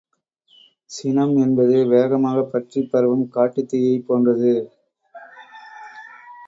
சினம் என்பது வேகமாகப் பற்றிப் பரவும் காட்டுத் தீயைப் போன்றது.